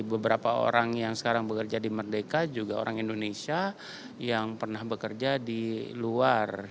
beberapa orang yang sekarang bekerja di merdeka juga orang indonesia yang pernah bekerja di luar